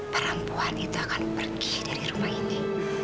perempuan itu akan pergi dari rumah ini